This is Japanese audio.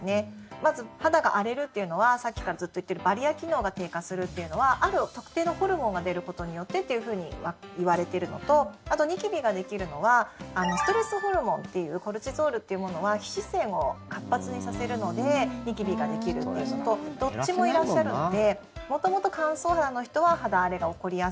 まず、肌が荒れるというのはさっきからずっと言ってるバリア機能が低下するっていうのはある特定のホルモンが出ることによってというふうにいわれてるのとあと、ニキビができるのはストレスホルモンっていうコルチゾールというものは皮脂腺を活発にさせるのでニキビができるっていうのとどっちもいらっしゃるので。